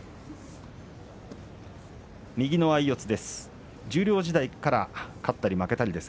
右の相四つです。